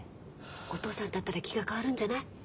お父さんと会ったら気が変わるんじゃない？